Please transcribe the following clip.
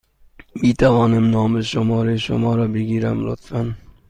می توانم نام و شماره شما را بگیرم، لطفا؟